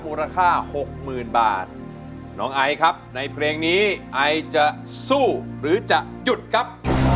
มูลค่าหกหมื่นบาทน้องไอครับในเพลงนี้ไอจะสู้หรือจะหยุดครับ